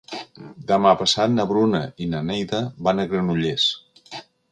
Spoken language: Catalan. Demà passat na Bruna i na Neida van a Granollers.